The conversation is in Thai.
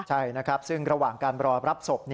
ใช่นะครับซึ่งระหว่างการรอรับศพ